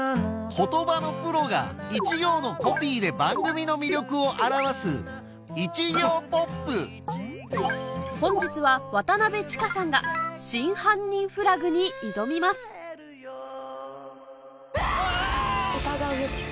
言葉のプロが一行のコピーで番組の魅力を表す本日は渡千佳さんが『真犯人フラグ』に挑みますわ！